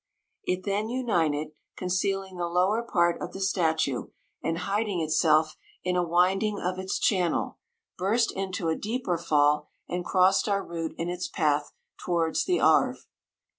It then united, concealing the lower part of the statue, and hiding itself in 146 a winding of its channel, burst into a deeper fall, and crossed our route in its path towards the Arve.